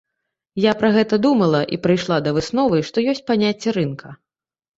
Я пра гэта думала, і прыйшла да высновы, што ёсць паняцце рынка.